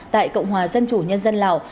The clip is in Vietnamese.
tại cộng hòa dân chủ nhân dân lào